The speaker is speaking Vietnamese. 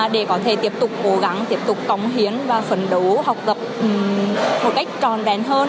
để có thể tiếp tục cố gắng tiếp tục cống hiến và phấn đấu học tập một cách tròn vẹn hơn